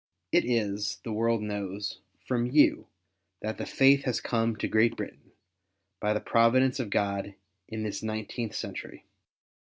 It is, the world knows, from you that the faith has come to Great Britain, l)y the providence of God in this nineteenth century.